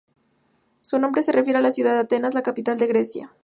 Su nombre se refiere a la ciudad de Atenas, la capital de Grecia.